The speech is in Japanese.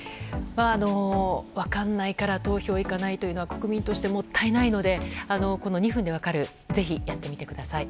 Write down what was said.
分かんないから投票行かないというのは国民としてもったいないので２分で分かるぜひやってみてください。